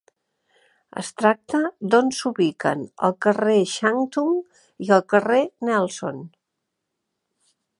Es tracta d'on s'ubiquen el carrer Shantung i el carrer Nelson.